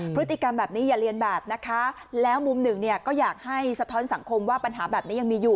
พฤติกรรมแบบนี้อย่าเรียนแบบนะคะแล้วมุมหนึ่งเนี่ยก็อยากให้สะท้อนสังคมว่าปัญหาแบบนี้ยังมีอยู่